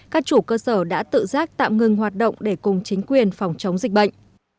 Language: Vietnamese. các chủ cơ sở đã tự giác tạm ngừng hoạt động để cùng chính quyền phòng chống dịch bệnh